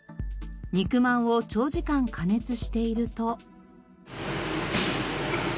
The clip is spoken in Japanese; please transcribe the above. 肉まんを長時間加熱していると。